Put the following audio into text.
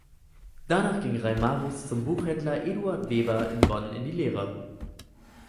Danach ging Reimarus zum Buchhändler Eduard Weber in Bonn in die Lehre.